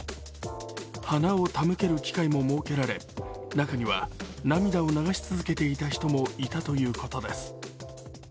花を手向ける機会も設けられ中には涙を流し続けていた人もいたということです。